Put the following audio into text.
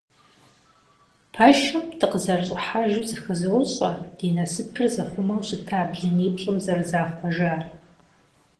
Пэшым дыкъызэрыщӀыхьэжу зыхызощӀэ ди насыпыр зыхъумэу щыта блыниплӀым зэрызахъуэжар.